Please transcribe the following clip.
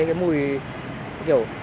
cái mùi kiểu